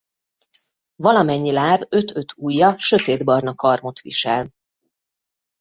Valamennyi láb öt-öt ujja sötétbarna karmot visel.